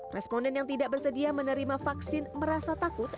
responden yang tidak bersedia menerima vaksin merasa takut